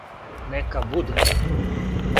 Нека буде